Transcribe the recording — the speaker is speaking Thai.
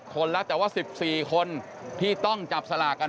คนแล้วแต่ว่า๑๔คนที่ต้องจับสลากกัน